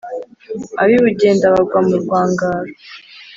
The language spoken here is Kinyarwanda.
ab’i bugenda bagwa mu rwangaro,